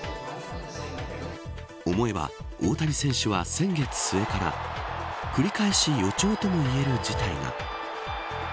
思えば、大谷選手は先月末から繰り返し、予兆ともいえる事態が。